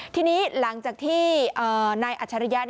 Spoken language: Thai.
ทีนี้หลังจากที่นายอัจฉริยะ